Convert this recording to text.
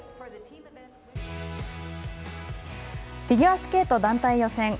フィギュアスケート団体予選。